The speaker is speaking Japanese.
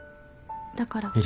だから。